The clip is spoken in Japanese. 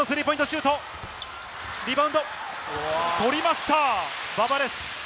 シュート、リバウンド、取りました、馬場です。